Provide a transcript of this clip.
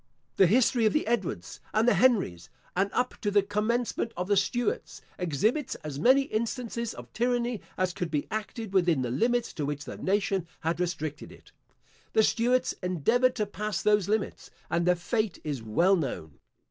The history of the Edwards and the Henries, and up to the commencement of the Stuarts, exhibits as many instances of tyranny as could be acted within the limits to which the nation had restricted it. The Stuarts endeavoured to pass those limits, and their fate is well known.